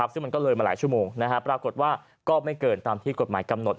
ซึ่งมันก็เลยมาหลายชั่วโมงปรากฏว่าก็ไม่เกินตามที่กฎหมายกำหนด